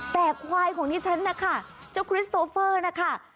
แต่ควายของดิฉันนะคะเจ้าคริสโตเฟอร์นะคะ